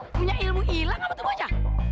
punya ilmu hilang apa tuh gua aja